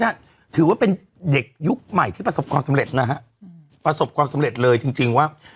ถือว่าเป็นเด็กยุคใหม่ที่ประสบความสำเร็จนะฮะประสบความสำเร็จเลยจริงจริงว่า